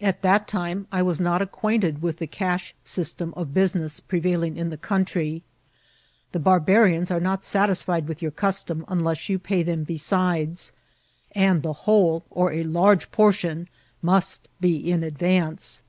At that time I was not acquainted with the cash system of busi ness prevailing in the country. The barbarians are not A.N ADTBHTVEB. Ill satisfied with your ctvtom unless you pay them besides ; and the whole, or a large portion, must be in advance.